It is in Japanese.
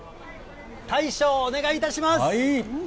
大将、お願いいたします。